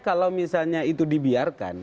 kalau misalnya itu dibiarkan